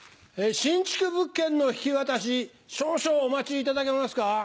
新築物件の引き渡し少々お待ちいただけますか？